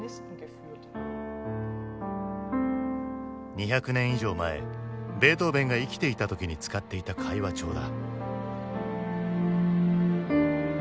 ２００年以上前ベートーヴェンが生きていた時に使っていた会話帳だ。